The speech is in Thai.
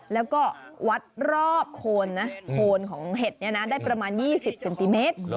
แล้วก็วัดรอบโคนนะโคนของเห็ดได้ประมาณ๒๐เซนติเมตร